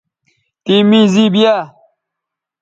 تِے می زِیب یاء